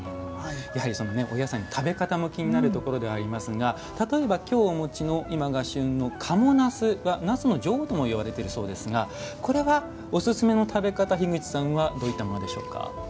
やはりお野菜の食べ方も気になるところではありますが例えば、きょうお持ちの今が旬の賀茂なすはなすの女王とも言われているそうですがこれは、おすすめの食べ方樋口さんはどのようなものでしょうか？